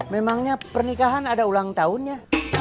memangnya pernikahan ada ulang tahunnya